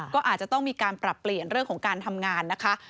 ก็อาจจะต้องมีการปรับเปลี่ยนเรื่องของการทำงานนะคะ